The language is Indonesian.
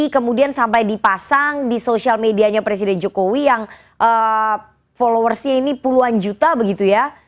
kemudian sampai dipasang di sosial medianya presiden jokowi yang followersnya ini puluhan juta begitu ya